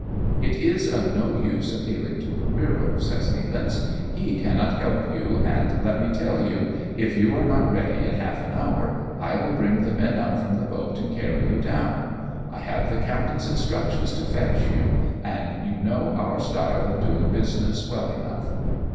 " It is of no use appealing to Careero," says Nea lance, " he cannot help youj and let me tell you, if you are not ready in half an hour, I will bring the men up from the boat and carry you down. I have the captain's instructions to fetch you, and you know our style of doing business well enough."